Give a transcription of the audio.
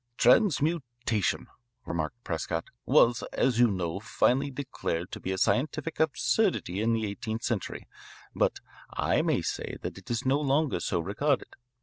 "Transmutation," remarked Prescott, "was, as you know, finally declared to be a scientific absurdity in the eighteenth century. But I may say that it is no longer so regarded.